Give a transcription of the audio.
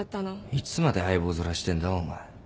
いつまで相棒面してんだお前。